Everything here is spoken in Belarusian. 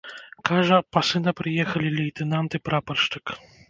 Кажа, па сына прыехалі лейтэнант і прапаршчык.